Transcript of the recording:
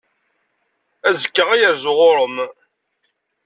Azekka ad yerzu ɣur-m.